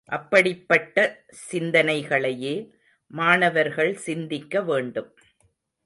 அப்படிப்பட்ட சிந்தனைகளையே மாணவர்கள் சிந்திக்க வேண்டும்.